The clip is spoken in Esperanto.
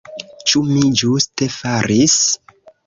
Ĉu mi ĝuste faris?